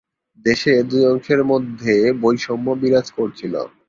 দেশের দুই অংশের মধ্যে বৈষম্য বিরাজ করছিল।